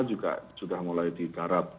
juga sudah mulai digarap